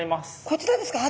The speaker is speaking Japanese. こちらですか？